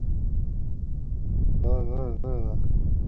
Miss হাউ-কে আমার শ্রদ্ধা ও প্রীতি জানাবে।